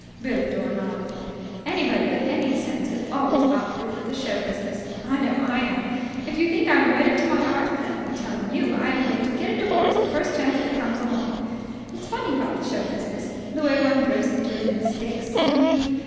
Billie Dore nodded. "Anybody with any sense is always about through with the show business. I know I am. If you think I'm wedded to my art, let me tell you I'm going to get a divorce the first chance that comes along. It's funny about the show business. The way one drifts into it and sticks, I mean.